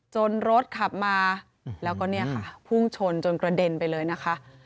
จนรถขับมาแล้วก็พุ่งชนจนกระเด็นไปเลยนะคะ